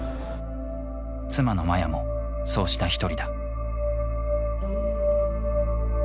妻のマヤもそうした一人だ。